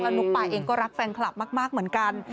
นุ๊กปายเองก็รักแฟนคลับมากเหมือนกัน